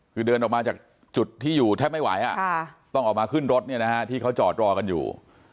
คือเดินออกมาจากจุดที่อยู่แทบไม่ไหวต้องออกมาขึ้นรถที่เขาจอดรอกันอยู่